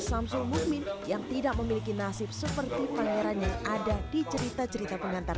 samsul muhmin yang tidak memiliki nasib seperti pangeran yang ada di cerita cerita pengantar